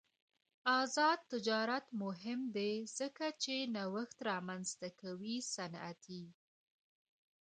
آزاد تجارت مهم دی ځکه چې نوښت رامنځته کوي صنعتي.